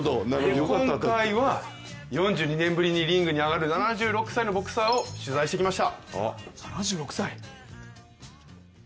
今回は４２年ぶりにリングに上がる７６歳のボクサーを取材してきました。